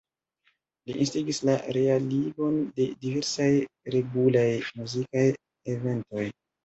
Li instigis la realigon de diversaj regulaj muzikaj eventoj.